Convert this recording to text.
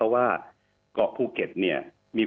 ว่าเกาะภูเก็ตเนี่ย